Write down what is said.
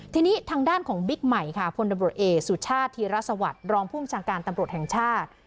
ทีนี้ทางด้านของบิ๊กใหม่ค่ะพลตำรวจเอกสุชาติธีรสวัสดิ์รองผู้บัญชาการตำรวจแห่งชาติ